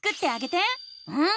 うん！